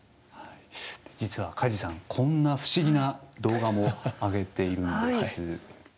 実は梶さんこんな不思議な動画も上げているんです。